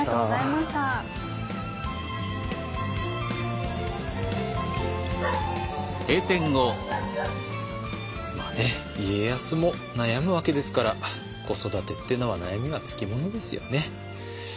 まあね家康も悩むわけですから子育てっていうのは悩みがつきものですよね。